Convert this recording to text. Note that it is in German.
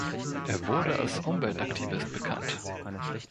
Er wurde als Umweltaktivist bekannt.